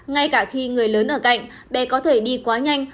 ngay cả khi người lớn ở cạnh bé có thể đi quá nhanh